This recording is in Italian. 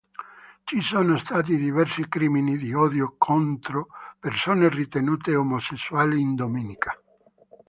Ci sono stati diversi crimini di odio contro persone ritenute omosessuali in Dominica.